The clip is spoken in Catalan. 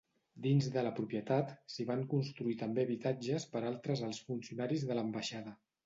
Dins de la propietat, s'hi van construir també habitatges per altres alts funcionaris de l'ambaixada.